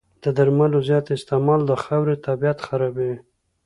د درملو زیات استعمال د خاورې طبعیت خرابوي.